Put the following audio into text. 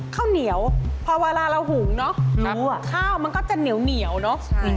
ข้าวเหนียวพอเวลาเราหุงเนอะข้าวมันก็จะเหนียวเนอะ